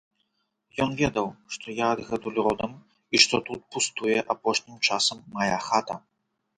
Ён ведаў, што я адгэтуль родам і што тут пустуе апошнім часам мая хата.